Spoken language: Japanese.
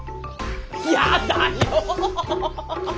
やだよ！